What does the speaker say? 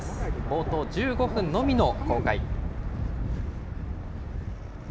冒頭１５分のみの公開。